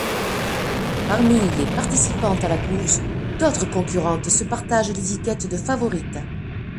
Parmi les participante à la course, d'autres concurrentes se partagent l'étiquette de favorites.